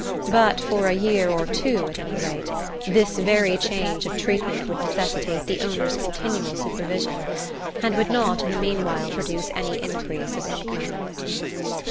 But for a year or two, at any rate, this very change of treatment would necessitate the owner's continual supervision, and would not in the meanwhile produce any increase of income.